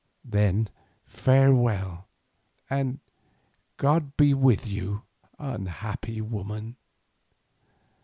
"Then farewell, and God be with you, unhappy woman."